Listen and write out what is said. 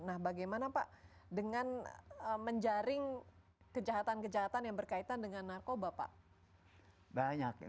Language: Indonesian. nah bagaimana pak dengan menjaring kejahatan kejahatan yang berkaitan dengan narkoba pak